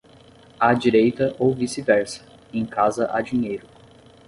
À direita ou vice-versa, em casa há dinheiro.